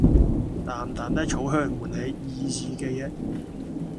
淡淡的草香喚起兒時記憶